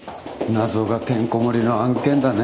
謎がてんこ盛りの案件だね。